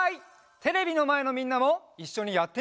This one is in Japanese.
テレビのまえのみんなもいっしょにやってみよう！